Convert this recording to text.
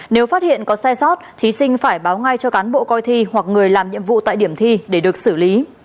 nếu phát hiện có sai sót thí sinh phải báo ngay cho cán bộ coi thi hoặc người làm nhiệm vụ tại điểm thi để được xử lý